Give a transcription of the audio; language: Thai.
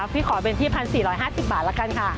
พี่ขอเป็นที่๑๔๕๐บาทละกันค่ะ